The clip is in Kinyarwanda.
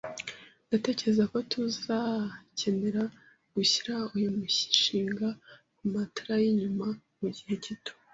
Ndatekereza ko tuzakenera gushyira uyu mushinga kumatara yinyuma mugihe gito.